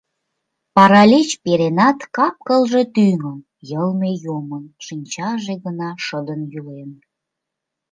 Паралич перенат, кап-кылже тӱҥын, йылме йомын, шинчаже гына шыдын йӱлен.